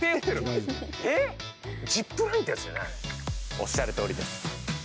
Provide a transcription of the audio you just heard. おっしゃるとおりです。